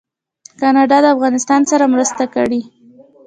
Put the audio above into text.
کاناډا د افغانستان سره مرسته کړې.